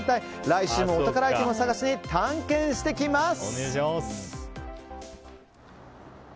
来週もお宝アイテムを探しに探検してきます。